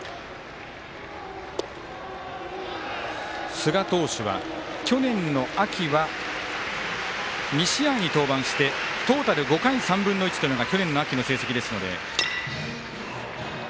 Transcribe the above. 寿賀投手は去年の秋は２試合に登板してトータル５回３分の１というのが去年の秋の成績ですので。